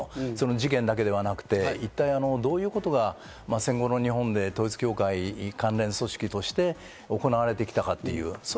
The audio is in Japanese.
事件だけではなくて、一体どういうことが戦後の日本で統一教会に関連組織として行われてきたのか。